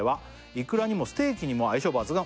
「イクラにもステーキにも相性抜群」